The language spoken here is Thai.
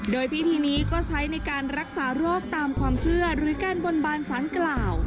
โดยพิธีนี้ก็ใช้ในการรักษาโรคตามความเชื่อหรือการบนบานสารกล่าว